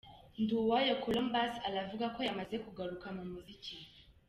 Nduwayo Colombus aravuga ko yamaze kugaruka mu muziki.